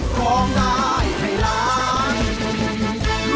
พร้อมได้ให้รัก